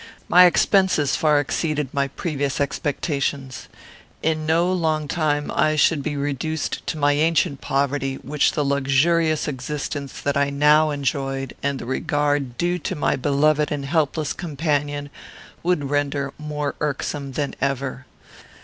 My expenses far exceeded my previous expectations. In no long time I should be reduced to my ancient poverty, which the luxurious existence that I now enjoyed, and the regard due to my beloved and helpless companion, would render more irksome than ever.